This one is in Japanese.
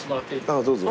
あぁどうぞ。